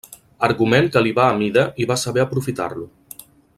Argument que li va a mida i va saber aprofitar-lo.